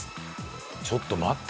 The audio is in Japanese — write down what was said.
ちょっと待って。